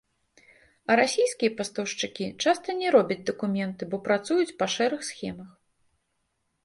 А расійскія пастаўшчыкі часта не робяць дакументы, бо працуюць па шэрых схемах.